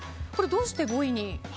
どうして５位に？